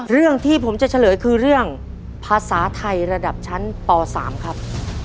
เรื่องที่ผมจะเฉลยคือเรื่องภาษาไทยระดับชั้นป๓ครับ